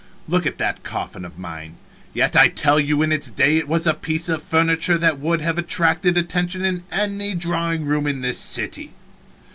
Look at that coffin of mine yet I tell you in its day it was a piece of furniture that would have attracted attention in any drawing room in this city.